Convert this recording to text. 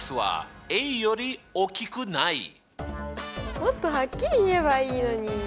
もっとはっきり言えばいいのに！